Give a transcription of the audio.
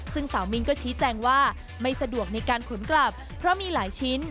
ซึ่งสาวมินก็ชี้แจงว่าไม่สะดวกในการขนกลับเพราะมีหลายชิ้น